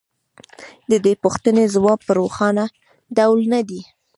د دې پوښتنې ځواب په روښانه ډول نه دی